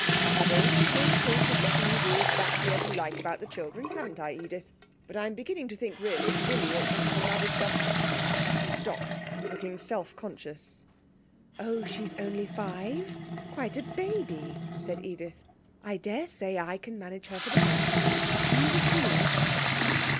I have always made a point of letting you do exactly as you like about the children, haven't I, Edith? But I'm beginning to think, really, Dilly ought to have another gov ' He stopped, looking self conscious. 'Oh, she's only five, quite a baby,' said Edith. 'I daresay I can manage her for the present. Leave it to me.'